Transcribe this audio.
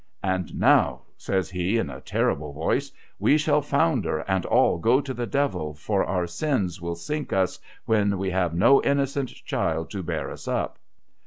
' And now,' says he, in a terrible voice, ' we shall founder, and all go to the Devil, for our sins will sink us, when we have no innocent child to bear us up